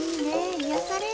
癒やされる。